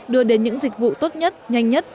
đưa đến những dịch vụ tốt nhất nhanh nhất